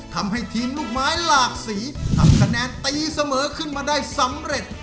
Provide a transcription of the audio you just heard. ทำให้ทีมลูกไม้หลากสีทำคะแนนตีเสมอขึ้นมาได้สำเร็จ